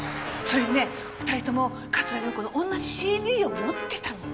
それにね２人とも桂陽子の同じＣＤを持ってたの。